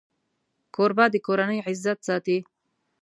کوربه د کورنۍ عزت ساتي.